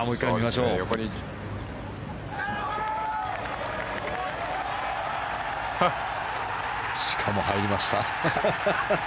しかも、入りました。